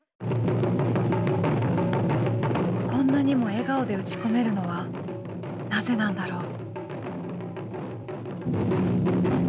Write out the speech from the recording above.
こんなにも笑顔で打ち込めるのはなぜなんだろう。